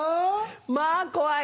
まぁ怖い。